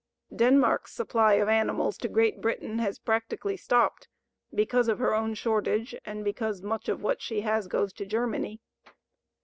Denmark's supply of animals to Great Britain has practically stopped, because of her own shortage, and because much of what she has goes to Germany.